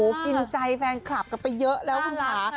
กินใจแฟนคลับกันไปเยอะแล้วคุณค่ะ